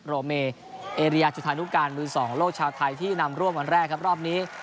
โรเมเอเรียจุธานุการมือสองโลกชาวไทยที่นำร่วมวันแรกครับรอบนี้